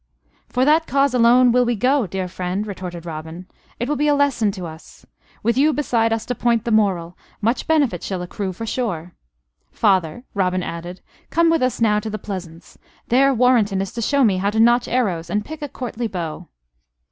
"For that cause alone will we go, dear friend," retorted Robin. "It will be a lesson to us. With you beside us to point the moral, much benefit shall accrue, for sure. Father," Robin added, "come with us now to the pleasance. There Warrenton is to show me how to notch arrows and pick a courtly bow."